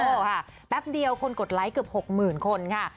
โอ้โหแป๊บเดียวคนกดไลค์เกือบ๖หมื่นคนค่ะ